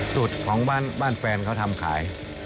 สูตรของบ้านแฟนเขาทำขาย